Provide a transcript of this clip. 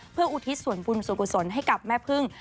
เพื่ออุทิศส่วนบุญส่วนกุศลให้กับแม่พึ่ง